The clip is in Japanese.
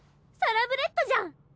サラブレッドじゃん。